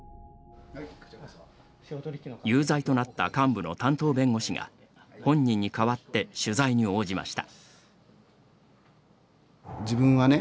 有罪となった幹部の担当弁護士が本人に代わって取材に応じました。